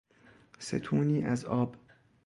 ستونی از آب